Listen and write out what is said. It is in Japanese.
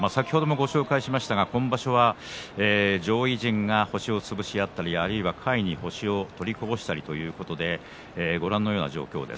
先ほども、ご紹介しましたが今場所は上位陣が星を潰し合ったりあるいは下位に星を取りこぼしたりということでご覧のような状況です。